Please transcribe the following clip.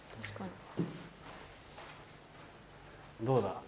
どうだ？